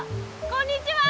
こんにちは。